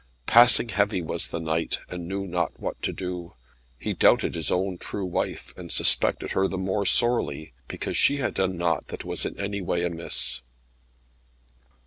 Passing heavy was the knight, and knew not what to do. He doubted his own true wife, and suspected her the more sorely, because she had done naught that was in any way amiss.